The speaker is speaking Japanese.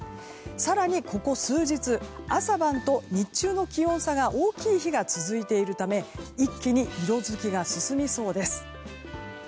更に、ここ数日朝晩と日中の気温差が大きい日が続いているため一気に色づきが進みそうです。